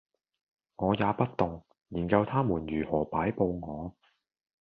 我也不動，研究他們如何擺佈我；